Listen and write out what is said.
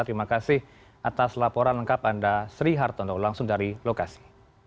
terima kasih atas laporan lengkap anda sri hartono langsung dari lokasi